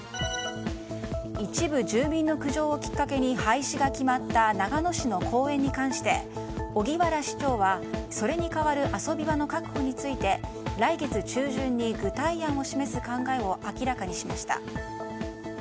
一部住民の苦情をきっかけに廃止が決まった長野市の公園に関して荻原市長はそれに代わる遊び場の確保について来月中旬に具体案を示す考えを明らかにしました。